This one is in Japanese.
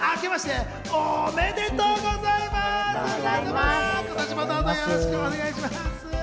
皆様、今年もどうぞよろしくお願いします！